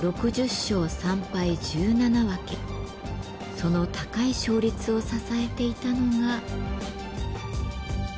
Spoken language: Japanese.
その高い勝率を支えていたのが。